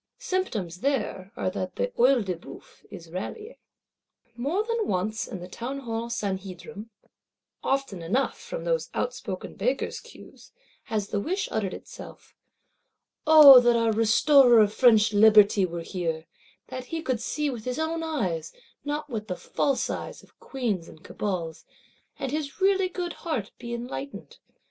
Symptoms there are that the Œil de Bœuf is rallying. More than once in the Townhall Sanhedrim; often enough, from those outspoken Bakers' queues, has the wish uttered itself: O that our Restorer of French Liberty were here; that he could see with his own eyes, not with the false eyes of Queens and Cabals, and his really good heart be enlightened!